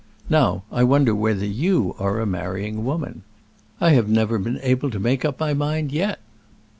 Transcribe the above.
Now, I wonder whether you are a marrying woman? I have never been able to make up my mind yet."